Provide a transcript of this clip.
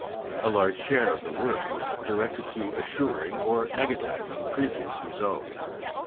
A large share of the work done was directed to assuring or negativing previous results.